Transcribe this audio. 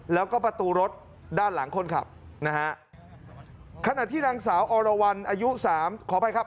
แล้วก็ประตูรถด้านหลังคนขับนะฮะขณะที่นางสาวอรวรรณอายุสามขออภัยครับ